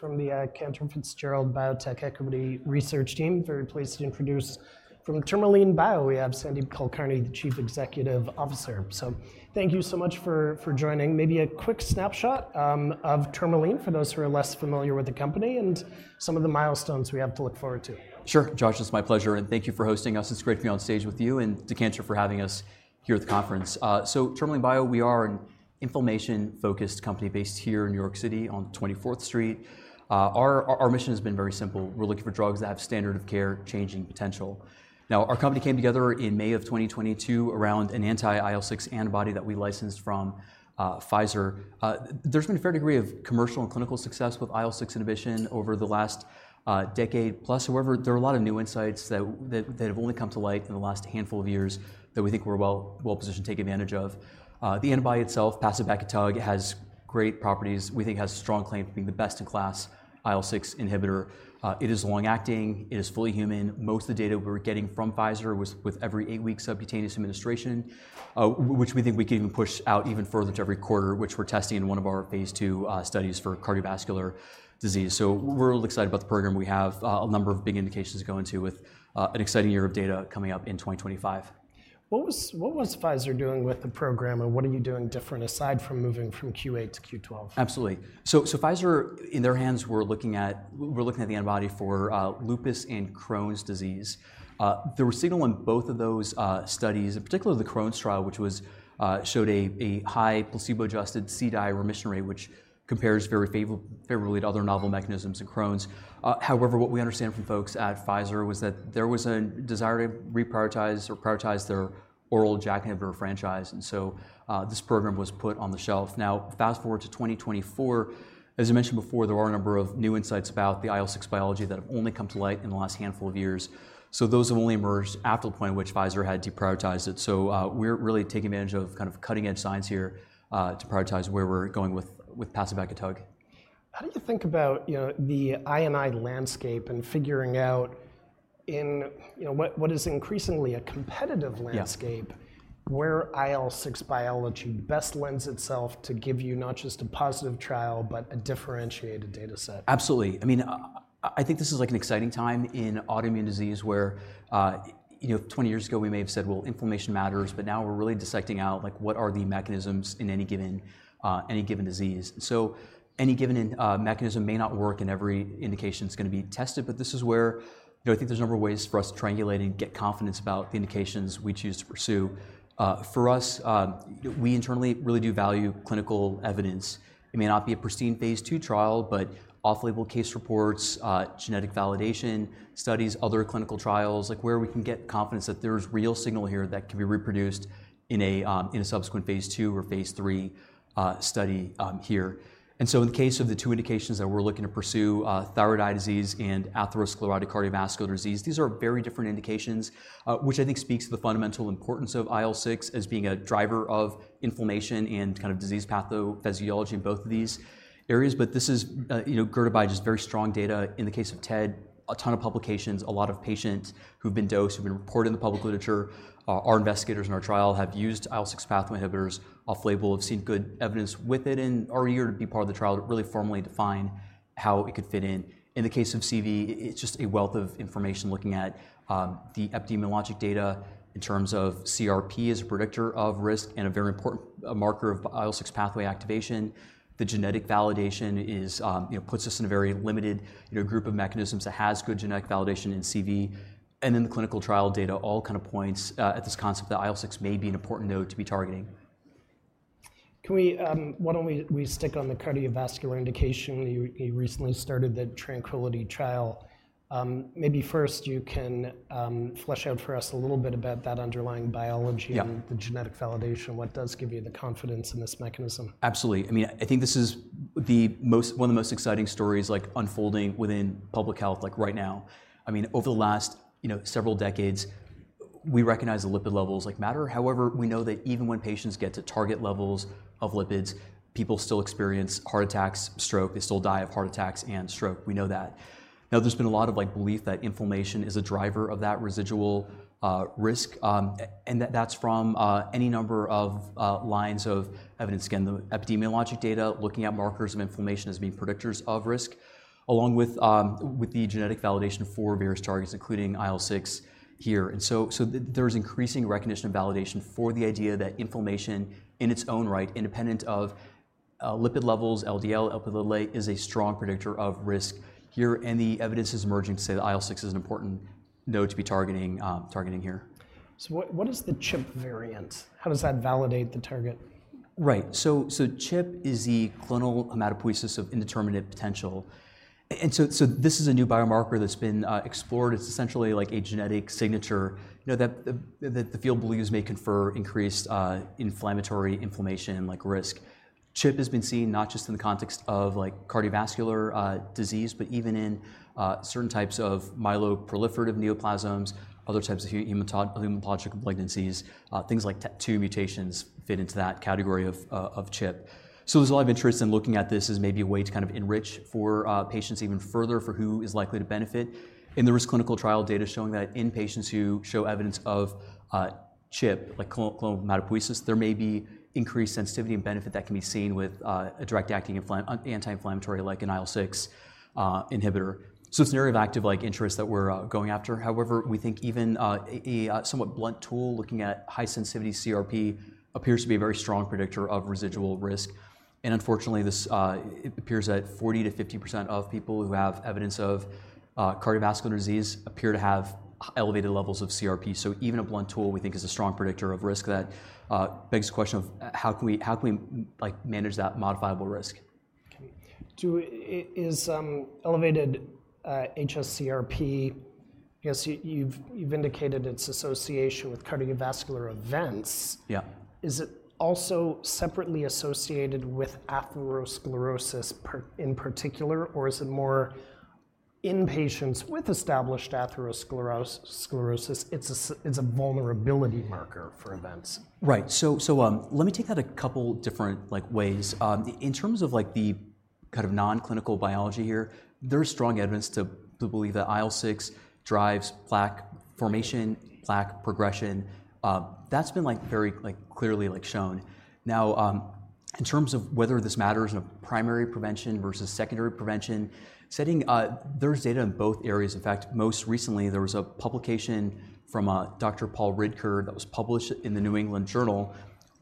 From the Cantor Fitzgerald Biotech Equity Research Team, very pleased to introduce from Tourmaline Bio, we have Sandeep Kulkarni, the Chief Executive Officer, so thank you so much for joining. Maybe a quick snapshot of Tourmaline, for those who are less familiar with the company, and some of the milestones we have to look forward to. Sure, Josh, it's my pleasure, and thank you for hosting us. It's great to be on stage with you and to Cantor for having us here at the conference. So Tourmaline Bio, we are an inflammation-focused company based here in New York City on 24th Street. Our mission has been very simple. We're looking for drugs that have standard of care changing potential. Now, our company came together in May of 2022 around an anti-IL-6 antibody that we licensed from Pfizer. There's been a fair degree of commercial and clinical success with IL-6 inhibition over the last decade plus. However, there are a lot of new insights that have only come to light in the last handful of years that we think we're well-positioned to take advantage of. The antibody itself, pacibekitug, has great properties. We think it has a strong claim to being the best in class IL-6 inhibitor. It is long acting, it is fully human. Most of the data we were getting from Pfizer was with every eight-week subcutaneous administration, which we think we can even push out even further to every quarter, which we're testing in one of our phase II studies for cardiovascular disease. So we're really excited about the program. We have a number of big indications to go into with an exciting year of data coming up in 2025. What was Pfizer doing with the program, and what are you doing different, aside from moving from Q8 to Q12? Absolutely. Pfizer, in their hands, were looking at the antibody for lupus and Crohn's disease. There was signal on both of those studies, and particularly the Crohn's trial, which showed a high placebo-adjusted CDI remission rate, which compares very favorably to other novel mechanisms in Crohn's. However, what we understand from folks at Pfizer was that there was a desire to reprioritize or prioritize their oral JAK inhibitor franchise, and so this program was put on the shelf. Now, fast-forward to 2024, as I mentioned before, there are a number of new insights about the IL-6 biology that have only come to light in the last handful of years. Those have only emerged after the point at which Pfizer had deprioritized it. We're really taking advantage of kind of cutting-edge science here to prioritize where we're going with pacibekitug. How did you think about, you know, the I&I landscape and figuring out, you know, what is increasingly a competitive landscape? Yeah Where IL-6 biology best lends itself to give you not just a positive trial, but a differentiated data set? Absolutely. I mean, I think this is, like, an exciting time in autoimmune disease, where, you know, twenty years ago, we may have said, "Well, inflammation matters," but now we're really dissecting out, like, what are the mechanisms in any given, any given disease? So any given mechanism may not work in every indication it's gonna be tested, but this is where, you know, I think there's a number of ways for us to triangulate and get confidence about the indications we choose to pursue. For us, we internally really do value clinical evidence. It may not be a pristine phase II trial, but off-label case reports, genetic validation studies, other clinical trials, like, where we can get confidence that there's real signal here that can be reproduced in a, in a subsequent phase II or phase III study here, and so in the case of the two indications that we're looking to pursue, thyroid eye disease and atherosclerotic cardiovascular disease, these are very different indications, which I think speaks to the fundamental importance of IL-6 as being a driver of inflammation and kind of disease pathophysiology in both of these areas, but this is, you know, girded by just very strong data. In the case of TED, a ton of publications, a lot of patients who've been dosed, who've been reported in the public literature. Our investigators in our trial have used IL-6 pathway inhibitors off-label, have seen good evidence with it, and are eager to be part of the trial to really formally define how it could fit in. In the case of CV, it's just a wealth of information looking at, the epidemiologic data in terms of CRP as a predictor of risk and a very important, marker of IL-6 pathway activation. The genetic validation is, you know, puts us in a very limited, you know, group of mechanisms that has good genetic validation in CV, and then the clinical trial data all kind of points, at this concept that IL-6 may be an important node to be targeting. Can we, why don't we stick on the cardiovascular indication? You recently started the TRANQUILITY trial. Maybe first you can flesh out for us a little bit about that underlying biology- Yeah And the genetic validation. What does give you the confidence in this mechanism? Absolutely. I mean, I think this is the most one of the most exciting stories, like, unfolding within public health, like, right now. I mean, over the last, you know, several decades, we recognize that lipid levels, like, matter. However, we know that even when patients get to target levels of lipids, people still experience heart attacks, stroke, they still die of heart attacks and stroke. We know that. Now, there's been a lot of, like, belief that inflammation is a driver of that residual risk, and that's from any number of lines of evidence. Again, the epidemiologic data, looking at markers of inflammation as being predictors of risk, along with, with the genetic validation for various targets, including IL-6 here. There is increasing recognition and validation for the idea that inflammation, in its own right, independent of lipid levels, LDL, LP little A, is a strong predictor of risk here, and the evidence is emerging to say that IL-6 is an important node to be targeting here. So what is the CHIP variant? How does that validate the target? Right. So CHIP is the clonal hematopoiesis of indeterminate potential. And so this is a new biomarker that's been explored. It's essentially like a genetic signature, you know, that the, that the field believes may confer increased inflammatory inflammation, like risk. CHIP has been seen not just in the context of, like, cardiovascular disease, but even in certain types of myeloproliferative neoplasms, other types of hematologic malignancies. Things like Tet2 mutations fit into that category of CHIP. So there's a lot of interest in looking at this as maybe a way to kind of enrich for patients even further, for who is likely to benefit. In the risk clinical trial data showing that in patients who show evidence of... CHIP, like clonal hematopoiesis, there may be increased sensitivity and benefit that can be seen with a direct-acting anti-inflammatory, like an IL-6 inhibitor. So it's an area of active, like, interest that we're going after. However, we think even a somewhat blunt tool, looking at high-sensitivity CRP, appears to be a very strong predictor of residual risk. Unfortunately, this... It appears that 40%-50% of people who have evidence of cardiovascular disease appear to have elevated levels of CRP. So even a blunt tool, we think, is a strong predictor of risk that begs the question of how can we like manage that modifiable risk? Okay. Does elevated hs-CRP... I guess you've indicated its association with cardiovascular events. Yeah. Is it also separately associated with atherosclerosis in particular, or is it more in patients with established atherosclerosis? It's a vulnerability marker for events? Right. So, let me take that a couple different, like, ways. In terms of like, the kind of non-clinical biology here, there is strong evidence to believe that IL-6 drives plaque formation, plaque progression. That's been, like, very, like, clearly, like, shown. Now, in terms of whether this matters in a primary prevention versus secondary prevention, setting. There's data in both areas. In fact, most recently, there was a publication from Dr. Paul Ridker, that was published in The New England Journal,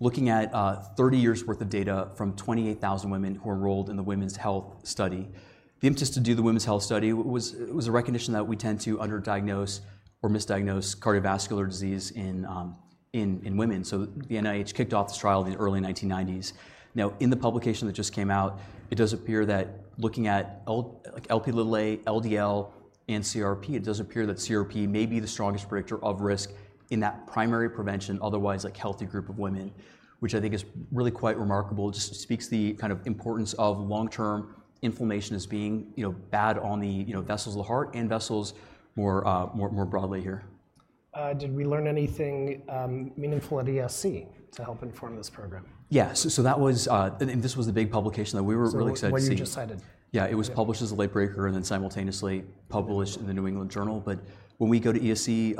looking at 30 years' worth of data from 28,000 women who were enrolled in the Women's Health Study. The impetus to do the Women's Health Study was it was a recognition that we tend to under-diagnose or misdiagnose cardiovascular disease in women. So the NIH kicked off this trial in the early 1990s. Now, in the publication that just came out, it does appear that looking at, like, Lp(a), LDL, and CRP, it does appear that CRP may be the strongest predictor of risk in that primary prevention, otherwise, like, healthy group of women, which I think is really quite remarkable. It just speaks to the kind of importance of long-term inflammation as being, you know, bad on the, you know, vessels of the heart and vessels more broadly here. Did we learn anything meaningful at ESC to help inform this program? Yeah. So that was. And this was the big publication that we were really excited to see. What you just cited? Yeah. Yeah. It was published as a late breaker, and then simultaneously- Yeah Published in The New England Journal. But when we go to ESC,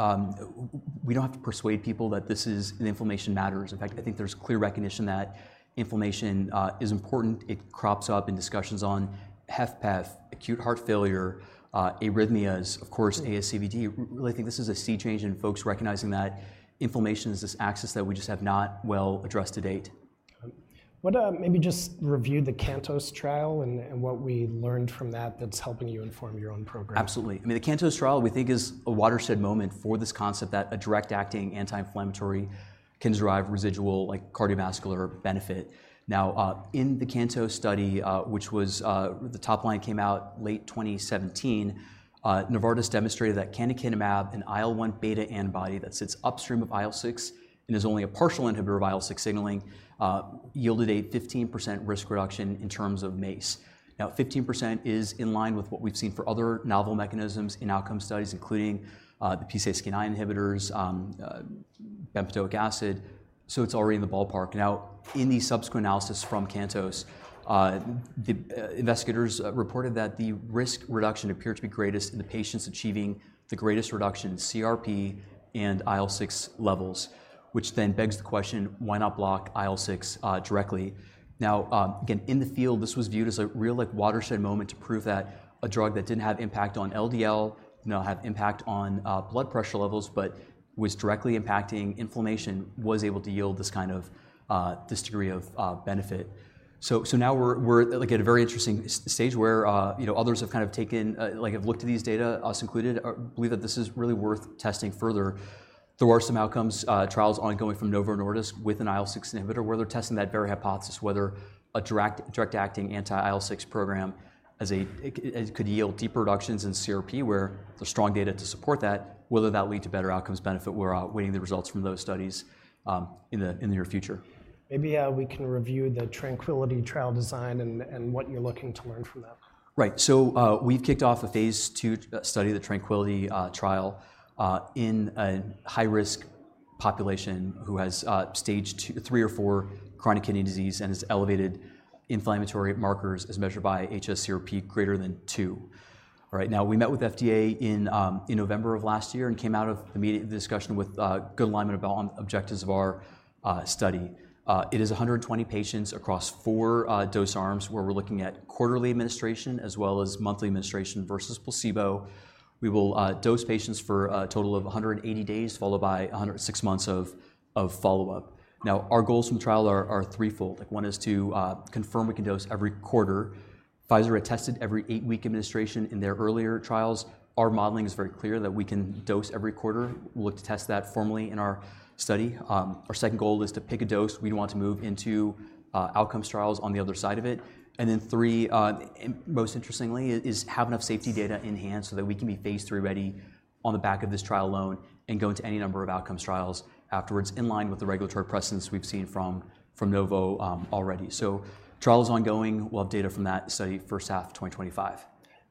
we don't have to persuade people that this is, that inflammation matters. In fact, I think there's clear recognition that inflammation is important. It crops up in discussions on HFpEF, acute heart failure, arrhythmias, of course. Yeah ASCVD. Really think this is a sea change in folks recognizing that inflammation is this axis that we just have not well addressed to date. Okay. What, maybe just review the CANTOS trial and what we learned from that, that's helping you inform your own program. Absolutely. I mean, the CANTOS trial, we think, is a watershed moment for this concept that a direct-acting anti-inflammatory can derive residual, like, cardiovascular benefit. Now, in the CANTOS study, which was. The top line came out late 2017. Novartis demonstrated that Canakinumab, an IL-1 beta antibody that sits upstream of IL-6 and is only a partial inhibitor of IL-6 signaling, yielded a 15% risk reduction in terms of MACE. Now, 15% is in line with what we've seen for other novel mechanisms in outcome studies, including, the PCSK9 inhibitors, bempedoic acid, so it's already in the ballpark. Now, in the subsequent analysis from CANTOS, the investigators reported that the risk reduction appeared to be greatest in the patients achieving the greatest reduction in CRP and IL-6 levels, which then begs the question: Why not block IL-6 directly? Now, again, in the field, this was viewed as a real, like, watershed moment to prove that a drug that didn't have impact on LDL, did not have impact on blood pressure levels, but was directly impacting inflammation, was able to yield this kind of this degree of benefit. So now we're at a very interesting stage where you know others have kind of taken like have looked at these data, us included, believe that this is really worth testing further. There are some outcomes trials ongoing from Novo Nordisk with an IL-6 inhibitor, where they're testing that very hypothesis, whether a direct-acting anti-IL-6 program could yield deeper reductions in CRP, where there's strong data to support that, whether that lead to better outcomes benefit. We're awaiting the results from those studies in the near future. Maybe, we can review the TRANQUILITY trial design and what you're looking to learn from that. Right. So, we've kicked off a phase 2 study, the Tranquility trial, in a high-risk population who has Stage 2, 3, or 4 chronic kidney disease and has elevated inflammatory markers, as measured by hs-CRP greater than two. Right now, we met with FDA in November of last year and came out of the meeting, the discussion, with good alignment about on objectives of our study. It is a hundred and twenty patients across four dose arms, where we're looking at quarterly administration as well as monthly administration versus placebo. We will dose patients for a total of a hundred and eighty days, followed by six months of follow-up. Now, our goals from the trial are threefold. One is to confirm we can dose every quarter. Pfizer had tested every eight-week administration in their earlier trials. Our modeling is very clear that we can dose every quarter. We'll look to test that formally in our study. Our second goal is to pick a dose. We'd want to move into outcomes trials on the other side of it. And then three, and most interestingly, is have enough safety data in hand so that we can be phase 3 ready on the back of this trial alone and go into any number of outcomes trials afterwards, in line with the regulatory precedence we've seen from Novo already. So trial is ongoing. We'll have data from that study first half of 2025.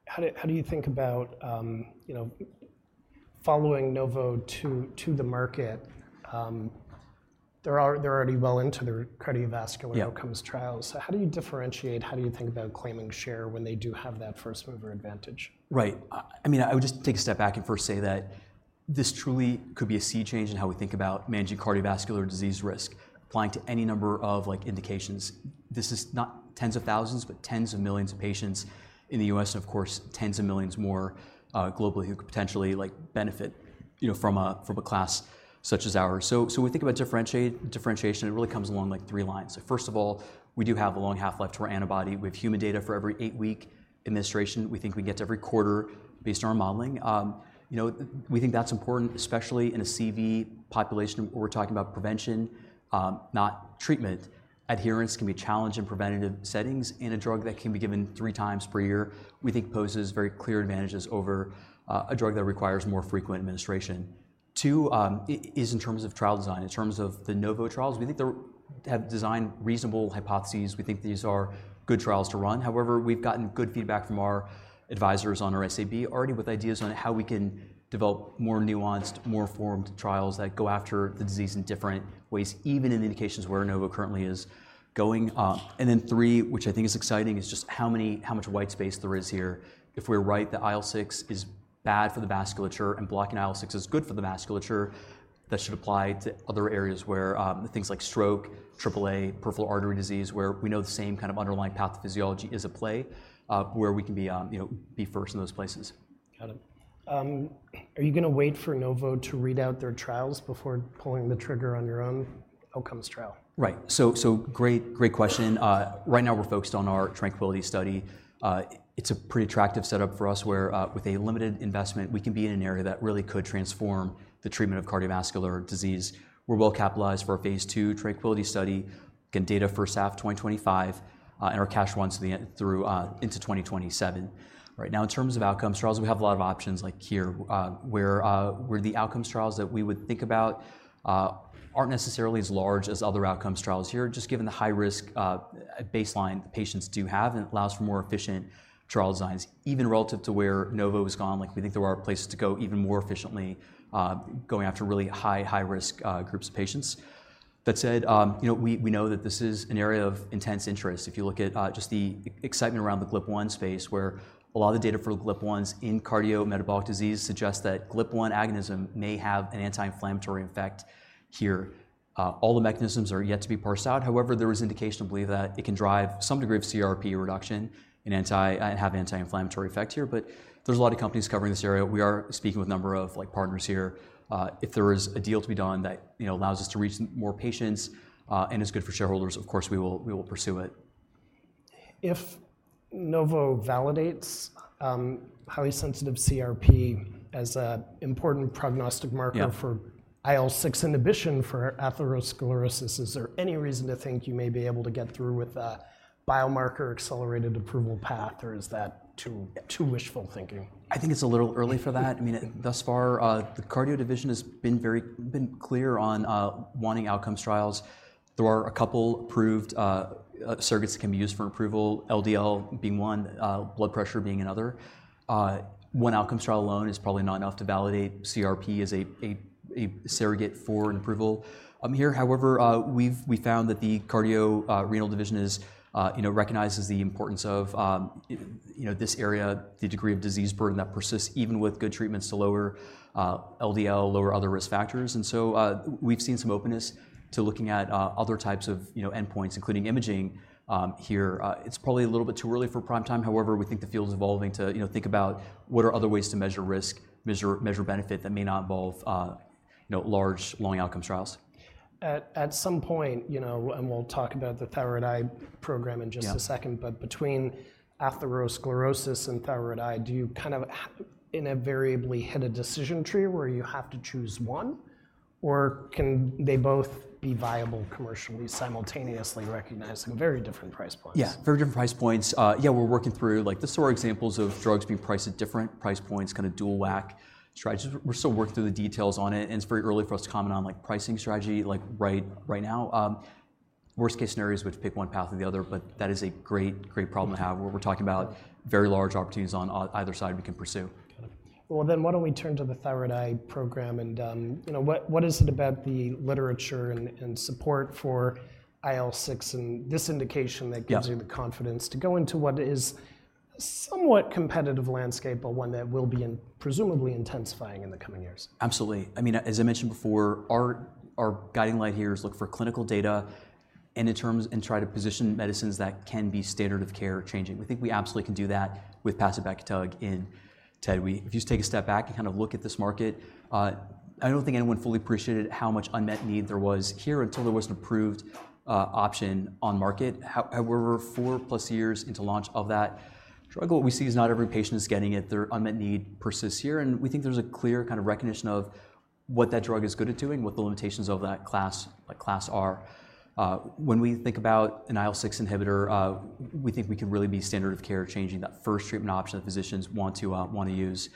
How do you think about, you know, following Novo to the market? They're already well into their cardiovascular- Yeah outcomes trials. So how do you differentiate? How do you think about claiming share when they do have that first-mover advantage? Right. I mean, I would just take a step back and first say that this truly could be a sea change in how we think about managing cardiovascular disease risk, applying to any number of like indications. This is not tens of thousands, but tens of millions of patients in the U.S., and of course, tens of millions more globally, who could potentially, like, benefit, you know, from a, from a class such as ours. So when we think about differentiation, it really comes along like three lines. So first of all, we do have a long half-life to our antibody. We have human data for every eight-week administration. We think we can get to every quarter based on our modeling. You know, we think that's important, especially in a CV population, where we're talking about prevention, not treatment. Adherence can be a challenge in preventative settings, and a drug that can be given three times per year, we think poses very clear advantages over a drug that requires more frequent administration. Two, is in terms of trial design. In terms of the Novo trials, we think they have designed reasonable hypotheses. We think these are good trials to run. However, we've gotten good feedback from our advisors on our SAB already with ideas on how we can develop more nuanced, more formed trials that go after the disease in different ways, even in indications where Novo currently is going. And then three, which I think is exciting, is just how much white space there is here. If we're right, the IL-6 is bad for the vasculature, and blocking IL-6 is good for the vasculature, that should apply to other areas where things like stroke, AAA, peripheral artery disease, where we know the same kind of underlying pathophysiology is at play, where we can be, you know, be first in those places. Got it. Are you gonna wait for Novo to read out their trials before pulling the trigger on your own outcomes trial? Right. So, so great, great question. Right now, we're focused on our Tranquility study. It's a pretty attractive setup for us, where, with a limited investment, we can be in an area that really could transform the treatment of cardiovascular disease. We're well-capitalized for our phase II Tranquility study, getting data first half of twenty twenty-five, and our cash runs to the end through into twenty twenty-seven. Right now, in terms of outcomes trials, we have a lot of options like here, where, where the outcomes trials that we would think about aren't necessarily as large as other outcomes trials here, just given the high risk baseline the patients do have, and it allows for more efficient trial designs, even relative to where Novo has gone. Like, we think there are places to go even more efficiently, going after really high, high-risk groups of patients. That said, you know, we, we know that this is an area of intense interest. If you look at just the excitement around the GLP-1 space, where a lot of the data for the GLP-1s in cardiometabolic disease suggests that GLP-1 agonism may have an anti-inflammatory effect here. All the mechanisms are yet to be parsed out. However, there is indication to believe that it can drive some degree of CRP reduction and have anti-inflammatory effect here, but there's a lot of companies covering this area. We are speaking with a number of, like, partners here. If there is a deal to be done that, you know, allows us to reach more patients and is good for shareholders, of course, we will pursue it. If Novo validates, highly sensitive CRP as an important prognostic marker- Yeah For IL-6 inhibition for atherosclerosis, is there any reason to think you may be able to get through with a biomarker accelerated approval path, or is that too, too wishful thinking? I think it's a little early for that. I mean, thus far, the cardio division has been clear on wanting outcomes trials. There are a couple approved surrogates that can be used for approval, LDL being one, blood pressure being another. One outcomes trial alone is probably not enough to validate CRP as a surrogate for an approval. Here, however, we've found that the cardio renal division, you know, recognizes the importance of, you know, this area, the degree of disease burden that persists even with good treatments to lower LDL, lower other risk factors. And so, we've seen some openness to looking at other types of, you know, endpoints, including imaging, here. It's probably a little bit too early for prime time. However, we think the field is evolving to, you know, think about what are other ways to measure risk, measure benefit that may not involve, you know, large, long outcomes trials. At some point, you know, and we'll talk about the thyroid eye program in just a second- Yeah But between atherosclerosis and thyroid eye, do you kind of invariably hit a decision tree where you have to choose one, or can they both be viable commercially, simultaneously, recognizing very different price points? Yeah, very different price points. Yeah, we're working through like the sort of examples of drugs being priced at different price points, kind of dual track strategies. We're still working through the details on it, and it's very early for us to comment on, like, pricing strategy, like right now. Worst-case scenario is we have to pick one path or the other, but that is a great, great problem to have, where we're talking about very large opportunities on either side we can pursue. Got it. Well, then, why don't we turn to the thyroid eye program, and you know, what is it about the literature and support for IL-6 and this indication? Yeah that gives you the confidence to go into what is a somewhat competitive landscape, but one that will be presumably intensifying in the coming years? Absolutely. I mean, as I mentioned before, our guiding light here is look for clinical data and the terms, and try to position medicines that can be standard of care changing. We think we absolutely can do that with pacibekitug in TED. We if you just take a step back and kind of look at this market, I don't think anyone fully appreciated how much unmet need there was here until there was an approved option on market. However, four-plus years into launch of that drug, what we see is not every patient is getting it. Their unmet need persists here, and we think there's a clear kind of recognition of what that drug is good at doing, what the limitations of that class, like IGF-1R. When we think about an IL-6 inhibitor, we think we can really be standard of care, changing that first treatment option that physicians want to use.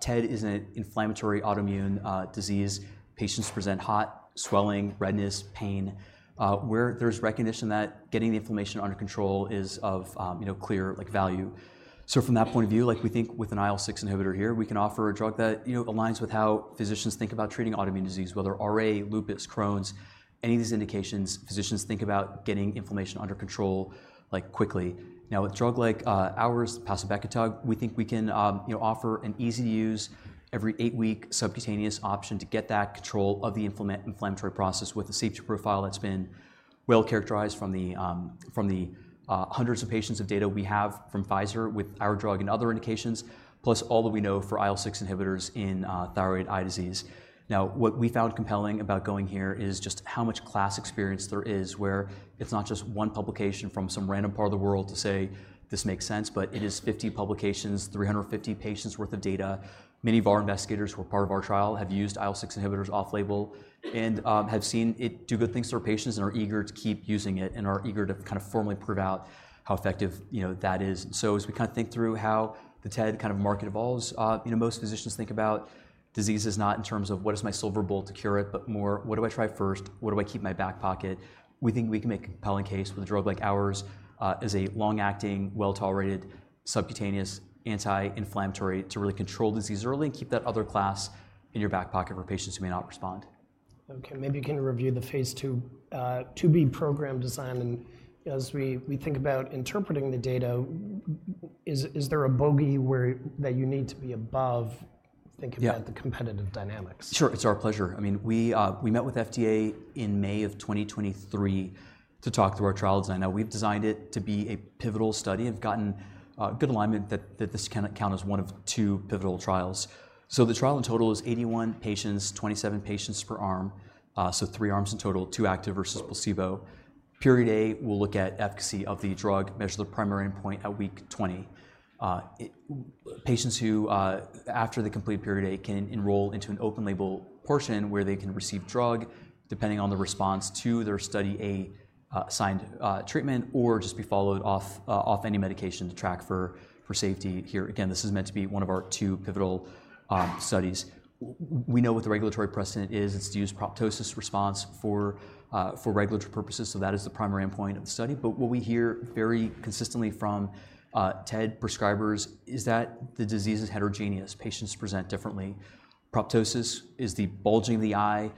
TED is an inflammatory autoimmune disease. Patients present hot, swelling, redness, pain, where there's recognition that getting the inflammation under control is of, you know, clear, like, value. So from that point of view, like, we think with an IL-6 inhibitor here, we can offer a drug that, you know, aligns with how physicians think about treating autoimmune disease, whether RA, lupus, Crohn's, any of these indications, physicians think about getting inflammation under control, like, quickly. Now, with a drug like ours, pacibekitug, we think we can, you know, offer an easy-to-use, every eight-week subcutaneous option to get that control of the inflammatory process with a safety profile that's been well characterized from the hundreds of patients of data we have from Pfizer with our drug and other indications, plus all that we know for IL-6 inhibitors in thyroid eye disease. Now, what we found compelling about going here is just how much class experience there is, where it's not just one publication from some random part of the world to say this makes sense, but it is 50 publications, 350 patients worth of data. Many of our investigators who are part of our trial have used IL-6 inhibitors off-label and have seen it do good things for patients and are eager to keep using it and are eager to kind of formally prove out how effective, you know, that is. So as we kind of think through how the TED kind of market evolves, you know, most physicians think about diseases not in terms of what is my silver bullet to cure it, but more, what do I try first? What do I keep in my back pocket? We think we can make a compelling case with a drug like ours, as a long-acting, well-tolerated, subcutaneous, anti-inflammatory to really control disease early and keep that other class in your back pocket for patients who may not respond. Okay, maybe you can review the phase 2, 2b program design, and as we think about interpreting the data, is there a bogey where that you need to be above- Yeah. Thinking about the competitive dynamics? Sure. It's our pleasure. I mean, we, we met with FDA in May of 2023 to talk through our trial design. Now, we've designed it to be a pivotal study, have gotten good alignment that this can count as one of two pivotal trials. So the trial in total is 81 patients, 27 patients per arm, so three arms in total, two active versus placebo. Period A will look at efficacy of the drug, measure the primary endpoint at week 20. Patients who, after the complete Period A, can enroll into an open-label portion where they can receive drug, depending on the response to their Study A assigned treatment, or just be followed off any medication to track for safety. Here, again, this is meant to be one of our two pivotal studies. We know what the regulatory precedent is. It's to use proptosis response for regulatory purposes, so that is the primary endpoint of the study. But what we hear very consistently from TED prescribers is that the disease is heterogeneous. Patients present differently. Proptosis is the bulging of the eye,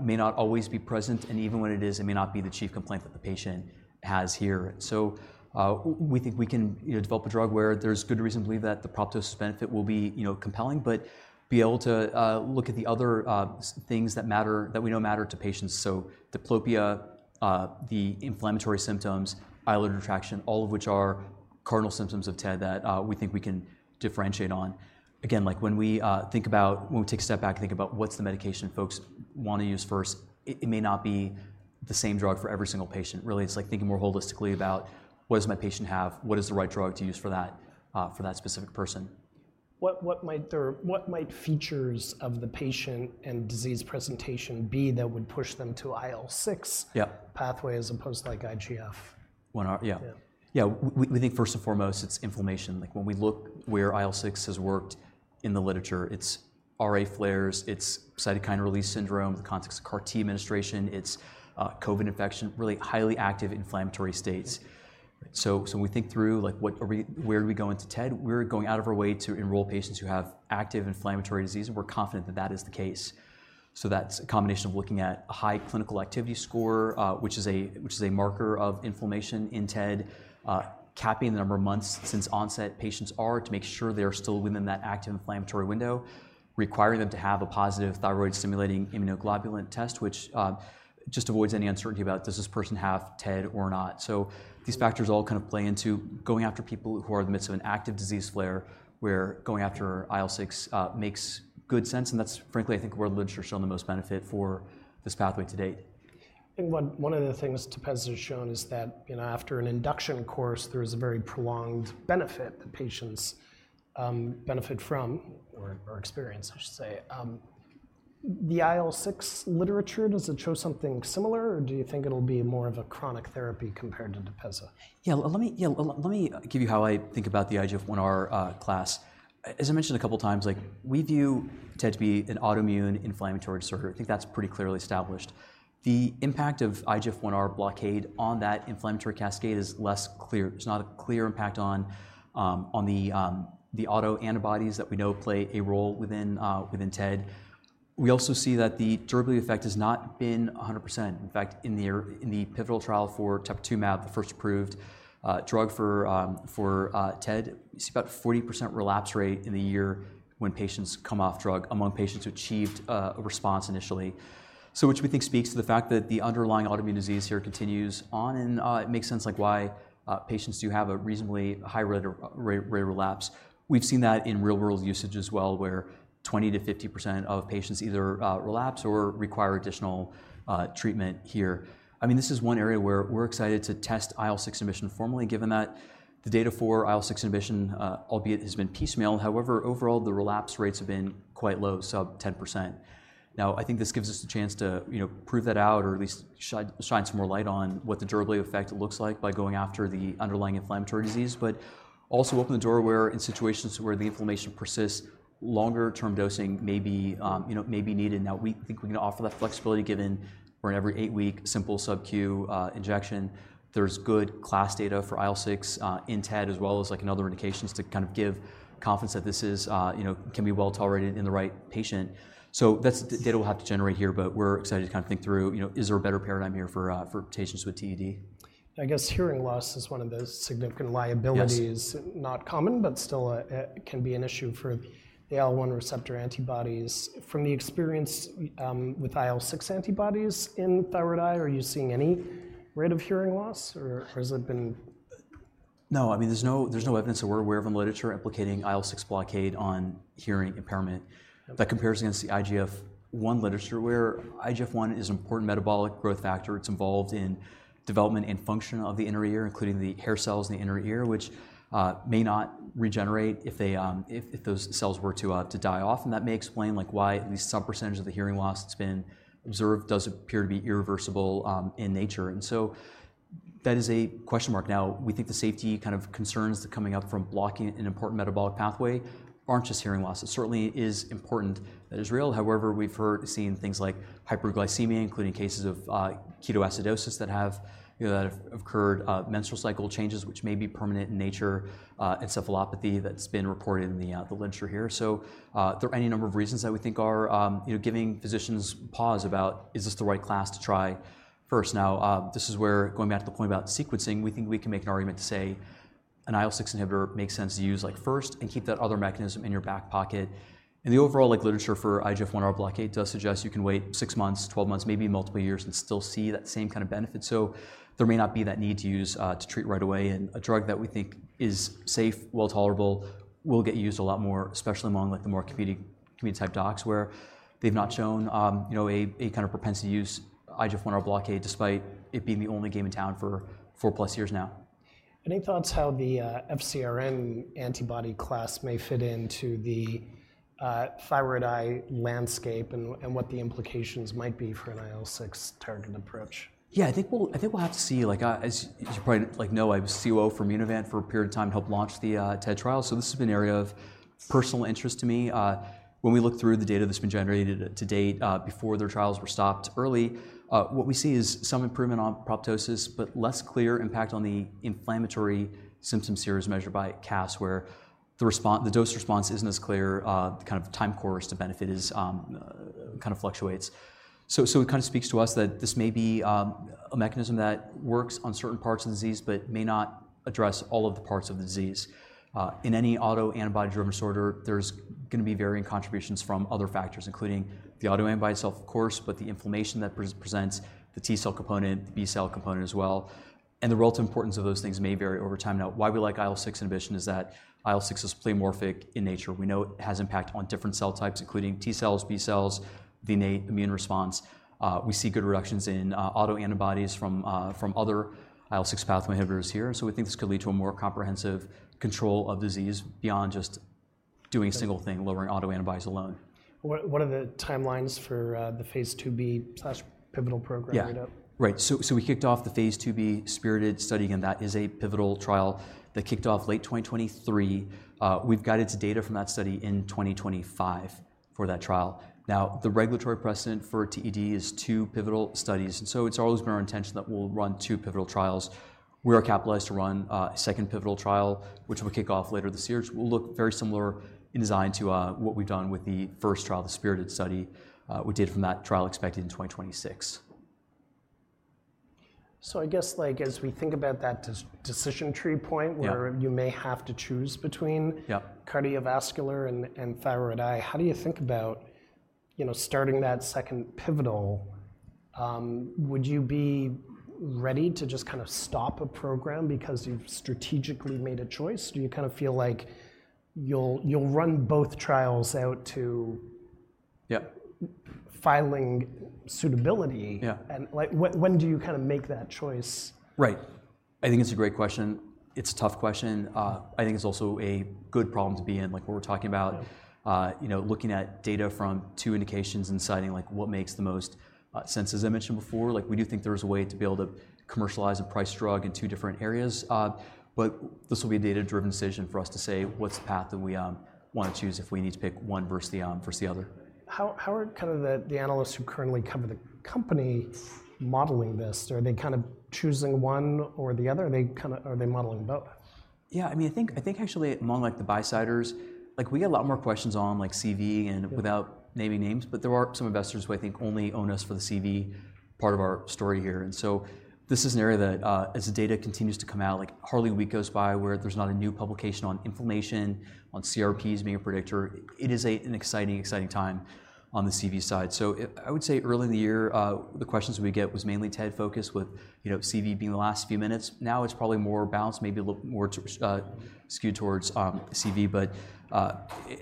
may not always be present, and even when it is, it may not be the chief complaint that the patient has here. So we think we can, you know, develop a drug where there's good reason to believe that the proptosis benefit will be, you know, compelling, but be able to look at the other things that matter, that we know matter to patients. So diplopia, the inflammatory symptoms, eyelid retraction, all of which are cardinal symptoms of TED that we think we can differentiate on. Again, like, when we think about... when we take a step back and think about what's the medication folks want to use first, it may not be the same drug for every single patient. Really, it's like thinking more holistically about what does my patient have? What is the right drug to use for that, for that specific person? What might features of the patient and disease presentation be that would push them to IL-6? Yeah Pathway as opposed to, like, IGF? 1R? Yeah. Yeah. Yeah, we think first and foremost, it's inflammation. Like, when we look where IL-6 has worked in the literature, it's RA flares, it's cytokine release syndrome, the context of CAR T administration, it's COVID infection, really highly active inflammatory states. So when we think through, like, where do we go into TED? We're going out of our way to enroll patients who have active inflammatory disease, and we're confident that that is the case. So that's a combination of looking at a high clinical activity score, which is a marker of inflammation in TED, capping the number of months since onset patients are to make sure they are still within that active inflammatory window, requiring them to have a positive thyroid-stimulating immunoglobulin test, which just avoids any uncertainty about, does this person have TED or not? So these factors all kind of play into going after people who are in the midst of an active disease flare, where going after IL-6 makes good sense, and that's frankly, I think, where the literature has shown the most benefit for this pathway to date. One of the things Tepezza has shown is that, you know, after an induction course, there is a very prolonged benefit that patients benefit from or experience, I should say. The IL-6 literature, does it show something similar, or do you think it'll be more of a chronic therapy compared to Tepezza? Yeah, let me give you how I think about the IGF-1R class. As I mentioned a couple of times, like, we view TED to be an autoimmune inflammatory disorder. I think that's pretty clearly established. The impact of IGF-1R blockade on that inflammatory cascade is less clear. There's not a clear impact on the autoantibodies that we know play a role within TED. We also see that the durable effect has not been 100%. In fact, in the pivotal trial for teprotumumab, the first approved drug for TED, you see about 40% relapse rate in the year when patients come off drug, among patients who achieved a response initially. So which we think speaks to the fact that the underlying autoimmune disease here continues on, and it makes sense, like, why patients do have a reasonably high rate of relapse. We've seen that in real-world usage as well, where 20%-50% of patients either relapse or require additional treatment here. I mean, this is one area where we're excited to test IL-6 inhibition formally, given that the data for IL-6 inhibition, albeit has been piecemeal. However, overall, the relapse rates have been quite low, sub-10%. Now, I think this gives us the chance to, you know, prove that out or at least shine some more light on what the durable effect looks like by going after the underlying inflammatory disease, but also open the door where in situations where the inflammation persists, longer-term dosing may be, you know, may be needed. Now, we think we can offer that flexibility, given we're an every eight-week simple subQ injection. There's good class data for IL-6 in TED, as well as, like, in other indications to kind of give confidence that this is, you know, can be well tolerated in the right patient. So that's data we'll have to generate here, but we're excited to kind of think through, you know, is there a better paradigm here for patients with TED? I guess hearing loss is one of those significant liabilities- Yes. Not common, but still, it can be an issue for the IL-1 receptor antibodies. From the experience, with IL-6 antibodies in thyroid eye, are you seeing any rate of hearing loss, or has it been- No, I mean, there's no, there's no evidence that we're aware of in the literature implicating IL-6 blockade on hearing impairment. Okay. That compares against the IGF-1 literature, where IGF-1 is an important metabolic growth factor. It's involved in development and function of the inner ear, including the hair cells in the inner ear, which may not regenerate if those cells were to die off, and that may explain, like, why at least some percentage of the hearing loss that's been observed does appear to be irreversible in nature. And so that is a question mark. Now, we think the safety kind of concerns coming up from blocking an important metabolic pathway aren't just hearing loss. It certainly is important. That is real. However, we've heard, seen things like hyperglycemia, including cases of ketoacidosis that have, you know, occurred, menstrual cycle changes, which may be permanent in nature, encephalopathy that's been reported in the literature here. So, there are any number of reasons that we think are, you know, giving physicians pause about, is this the right class to try first? Now, this is where, going back to the point about sequencing, we think we can make an argument to say an IL-6 inhibitor makes sense to use, like, first and keep that other mechanism in your back pocket. And the overall, like, literature for IGF-1R blockade does suggest you can wait 6 months, 12 months, maybe multiple years, and still see that same kind of benefit. So there may not be that need to use to treat right away, and a drug that we think is safe, well tolerable, will get used a lot more, especially among, like, the more community-type docs, where they've not shown, you know, a kind of propensity to use IGF-1R blockade, despite it being the only game in town for four-plus years now. Any thoughts how the FcRn antibody class may fit into the thyroid eye landscape and, and what the implications might be for an IL-6 target approach? Yeah, I think we'll, I think we'll have to see. Like, as you probably, like, know, I was COO for Immunovant for a period of time and helped launch the TED trials, so this has been an area of personal interest to me. When we look through the data that's been generated to date, before their trials were stopped early, what we see is some improvement on apoptosis, but less clear impact on the inflammatory symptom series measured by CAS, where the response - the dose response isn't as clear, the kind of time course to benefit is, kind of fluctuates. So, it kind of speaks to us that this may be, a mechanism that works on certain parts of the disease but may not address all of the parts of the disease. In any autoantibody-driven disorder, there's gonna be varying contributions from other factors, including the autoantibody itself, of course, but the inflammation that presents, the T cell component, the B cell component as well, and the relative importance of those things may vary over time. Now, why we like IL-6 inhibition is that IL-6 is polymorphic in nature. We know it has impact on different cell types, including T cells, B cells, the innate immune response. We see good reductions in autoantibodies from other IL-6 pathway inhibitors here, so we think this could lead to a more comprehensive control of disease beyond just doing a single thing, lowering autoantibodies alone. What, what are the timelines for the phase IIb slash pivotal program right now? Yeah. Right. So we kicked off the phase IIb SPIRITED study, and that is a pivotal trial that kicked off late 2023. We've guided to data from that study in 2025 for that trial. Now, the regulatory precedent for TED is two pivotal studies, and so it's always been our intention that we'll run two pivotal trials. We are capitalized to run a second pivotal trial, which will kick off later this year, which will look very similar in design to what we've done with the first trial, the SPIRITED study. Data from that trial expected in 2026. I guess, like, as we think about that decision tree point- Yeah Where you may have to choose between- Yeah cardiovascular and thyroid eye, how do you think about, you know, starting that second pivotal... Would you be ready to just kind of stop a program because you've strategically made a choice? Do you kind of feel like you'll run both trials out to- Yeah - Filing suitability? Yeah. Like, when do you kind of make that choice? Right. I think it's a great question. It's a tough question. I think it's also a good problem to be in, like what we're talking about- Yeah You know, looking at data from two indications and deciding, like, what makes the most sense. As I mentioned before, like, we do think there is a way to be able to commercialize a priced drug in two different areas. But this will be a data-driven decision for us to say, what's the path that we want to choose if we need to pick one versus the other. How are kind of the analysts who currently cover the company modeling this? Are they kind of choosing one or the other, or are they kind of, are they modeling both? Yeah, I mean, I think, I think actually more like the buy-siders. Like, we get a lot more questions on, like, CV and- Yeah Without naming names, but there are some investors who I think only own us for the CV part of our story here. And so this is an area that, as the data continues to come out, like, hardly a week goes by where there's not a new publication on inflammation, on CRPs being a predictor. It is a, an exciting, exciting time on the CV side. So I, I would say earlier in the year, the questions we get was mainly TED focused with, you know, CV being the last few minutes. Now it's probably more balanced, maybe a little more skewed towards CV, but,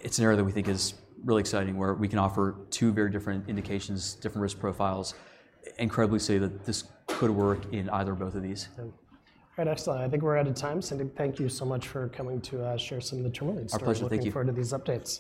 it's an area that we think is really exciting, where we can offer two very different indications, different risk profiles. It's incredible to say that this could work in either both of these. All right, excellent. I think we're out of time. So thank you so much for coming to share some of the Tourmaline story. My pleasure. Thank you. Looking forward to these updates.